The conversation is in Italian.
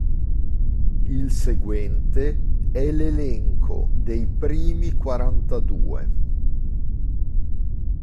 Il seguente è l'elenco dei primi quarantadue.